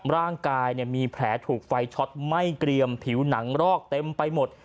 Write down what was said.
ร่างกายมีแผลถูกไฟช็อตไหม้เกรียมผิวหนังรอกเต็มไปหมด